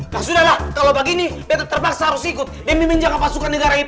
nah sudah lah kalo begini betul terpaksa harus ikut demi menjaga pasukan negara ip